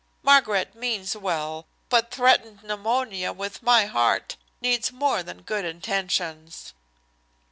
Margaret means well, but threatened pneumonia with my heart needs more than good intentions."